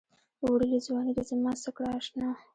وړلې ځــواني دې زمـا څه کړه اشـنا